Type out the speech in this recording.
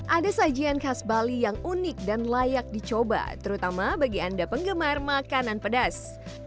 ada sajian khas bali yang unik dan layak dicoba terutama bagi anda penggemar makanan pedas